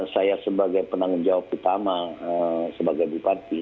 saya sebagai penanggung jawab utama sebagai bupati